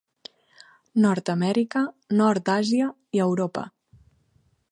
Nord-amèrica, nord d'Àsia i Europa.